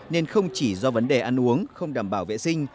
nên không chỉ do vấn đề ăn uống không đảm bảo vệ sinh